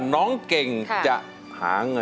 ขอบคุณค่ะ